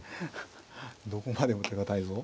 どこまでも手堅いぞ。